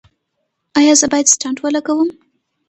ایا زه باید سټنټ ولګوم؟